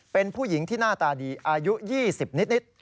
เป็นผู้หญิงที่หน้าตาดีอายุ๒๐นิด